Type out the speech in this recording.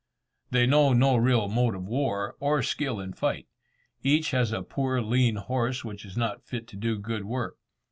They know no real mode of war, or skill in fight. Each has a poor lean horse, which is not fit to do good work.